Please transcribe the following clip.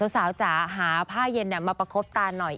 สาวจ๋าหาผ้าเย็นมาประคบตาหน่อย